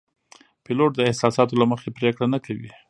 پیلوټ د احساساتو له مخې پرېکړه نه کوي.